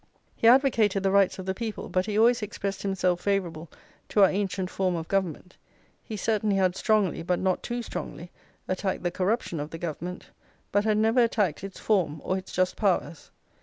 He advocated the rights of the people, but he always expressed himself favourable to our ancient form of government; he certainly had strongly, but not too strongly, attacked the corruption of the government; but had never attacked its form or its just powers.